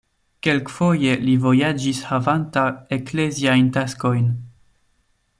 Kelkfoje li vojaĝis havanta ekleziajn taskojn.